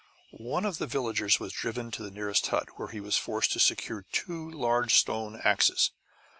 One of the villagers was driven to the nearest hut, where he was forced to secure two large stone axes.